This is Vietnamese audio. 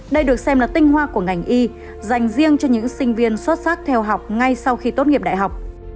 đây được xem là tinh hoa của ngành y dành riêng cho những sinh viên xuất sắc theo học ngay sau khi tốt nghiệp đại học